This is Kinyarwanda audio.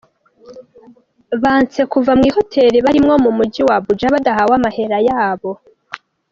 Banse kuva mw'ihoteli barimwo mu muji wa Abuja badahawe amahera yabo.